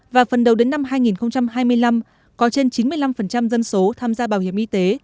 và phần đầu đến năm hai nghìn hai mươi năm có trên chín mươi năm dân số tham gia bảo hiểm y tế